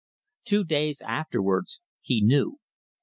Two days afterwards he knew.